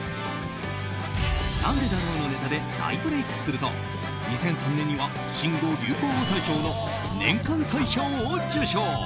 「なんでだろう」のネタで大ブレークすると２００３年には新語・流行語大賞の年間大賞を受賞。